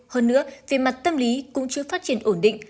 hơn nữa về mặt tâm lý cũng chưa phát triển ổn định